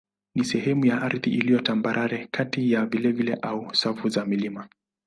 ni sehemu ya ardhi iliyo tambarare kati ya vilele au safu za milima.